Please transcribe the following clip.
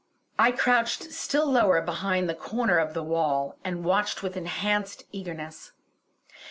I crouched still lower behind the corner of the wall, and watched with enhanced eagerness.